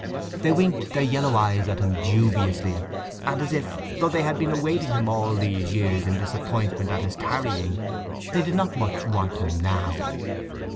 They winked their yellow eyes at him dubiously, and as if, though they had been awaiting him all these years in disappointment at his tarrying, they did not much want him now.